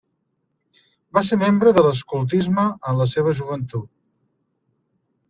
Va ser membre de l'escoltisme en la seva joventut.